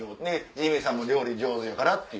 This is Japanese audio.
ジミーさんも料理上手やから。